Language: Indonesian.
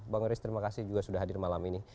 bang yoris terima kasih juga sudah hadir malam ini